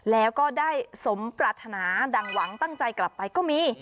แล้วก็ได้สมปรารถนาดั่งหวังตั้งใจกลับไปก็มี